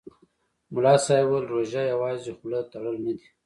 ملا صاحب ویل: روژه یوازې خوله تړل نه دي.